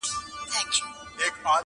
د دروازې په ځینځیر ځان مشغولوینه.!